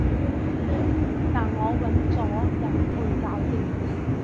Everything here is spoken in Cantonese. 但我搵咗人去搞掂